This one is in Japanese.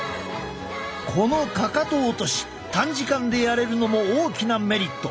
このかかと落とし短時間でやれるのも大きなメリット。